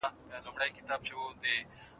تاسو باید په خپل ژوند کې هدف ولرئ.